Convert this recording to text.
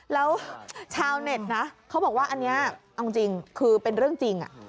แล้วชาวเน็ตนะเขาบอกว่าอันนี้เอาจริงคือเป็นเรื่องจริง